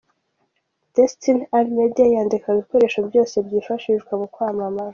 Destiny Art Media yandika ku bikoresho byose byifashishwa mu kwamamaza.